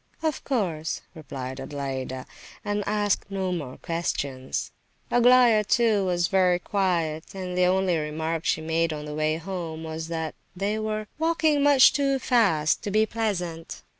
"Oh, of course," replied Adelaida, and asked no more questions. Aglaya, too, was very quiet; and the only remark she made on the way home was that they were "walking much too fast to be pleasant."